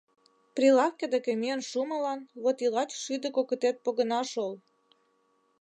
Прилавке деке миен шумылан вот и лач шӱдӧ кокытет погына шол.